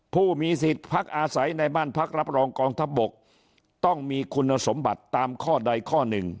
ผู้มีสิทธิ์พักอาศัยในบ้านพักรับรองกองทัพบกต้องมีคุณสมบัติตามข้อใดข้อหนึ่ง